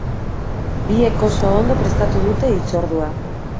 Biek oso ondo prestatu dute hitzordua.